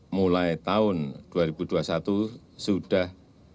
mulai tahun dua ribu dua puluh satu sudah